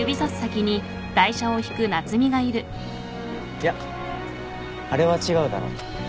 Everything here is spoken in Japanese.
いやあれは違うだろ。